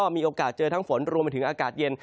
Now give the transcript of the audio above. มีโอกาสเจอทั้งฝนรวมไปถึงอากาศเย็น